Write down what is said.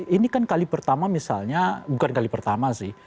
ini kan kali pertama misalnya bukan kali pertama sih